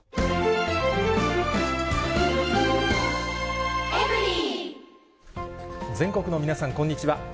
専門家は、全国の皆さん、こんにちは。